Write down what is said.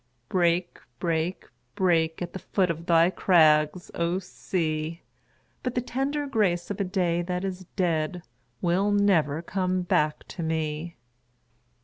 Break, break, break, At the foot of thy crags, O sea ! But the tender grace of a day that is dead Will never come back to rue.